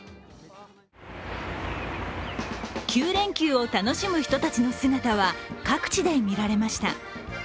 ９連休を楽しむ人の姿は、各地で見られました。